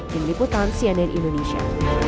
dari liputan cnn indonesia